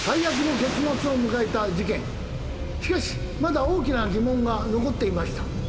しかしまだ大きな疑問が残っていました。